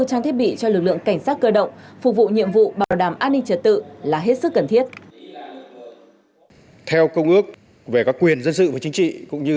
trang thiết bị cho lực lượng cảnh sát cơ động phục vụ nhiệm vụ bảo đảm an ninh trật tự